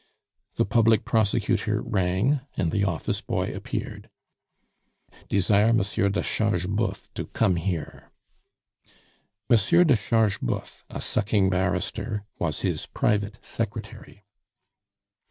The public prosecutor rang, and the office boy appeared. "Desire Monsieur de Chargeboeuf to come here." Monsieur de Chargeboeuf, a sucking barrister, was his private secretary.